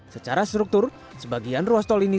secara struktur sebagian ruas tol ini